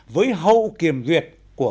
với hậu kiểm duyệt của